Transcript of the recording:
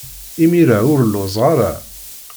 Imir-a ur lluẓeɣ ara.